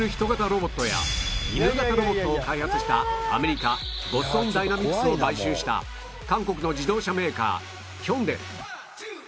ロボットや犬型ロボットを開発したアメリカボストン・ダイナミクスを買収した韓国の自動車メーカーヒョンデ